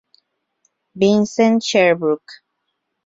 Vincent Sherbrooke.